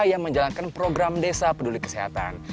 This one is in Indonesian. yang menjalankan program desa peduli kesehatan